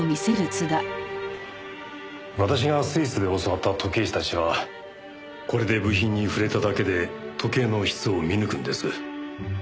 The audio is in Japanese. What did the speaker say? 私がスイスで教わった時計師たちはこれで部品に触れただけで時計の質を見抜くんです。